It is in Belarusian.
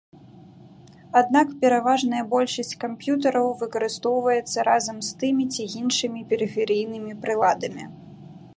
Аднак пераважная большасць камп'ютараў выкарыстоўваецца разам з тымі ці іншымі перыферыйнымі прыладамі.